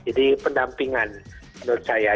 jadi pendampingan menurut saya